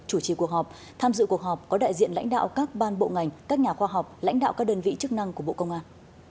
chủ trì cuộc họp tham dự cuộc họp có đại diện lãnh đạo các ban bộ ngành các nhà khoa học lãnh đạo các đơn vị chức năng của bộ công an